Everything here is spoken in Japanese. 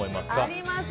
あります。